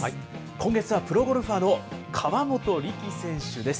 今月はプロゴルファーの河本力選手です。